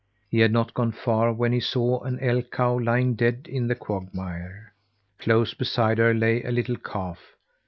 He had not gone far when he saw an elk cow lying dead in the quagmire. Close beside her lay a little calf.